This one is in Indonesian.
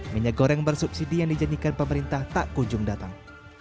minyak goreng bersubsidi yang dijanjikan pemerintah tak kunjung datang